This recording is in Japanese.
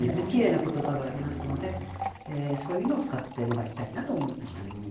きれいな言葉がありますのでそういうのを使ってもらいたいなと思いました。